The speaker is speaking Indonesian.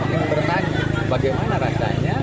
yang bertanya bagaimana rasanya